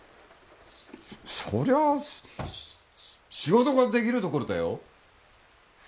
そそりゃあし仕事ができるところだよ